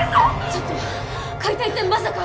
ちょっと解体ってまさか！